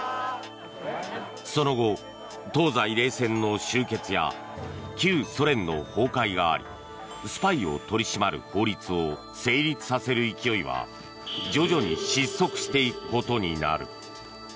その後、東西冷戦の終結や旧ソ連の崩壊がありスパイを取り締まる法律を成立させる勢いは徐々に失速していくことになる。